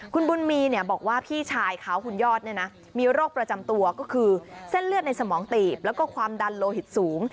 คุณบุญมีบอกว่าพี่ชายเขาคุณยอดมีโรคประจำตัวก็คือเส้นเลือดในสมองตีบแล้วก็ความดันโลหิตสูง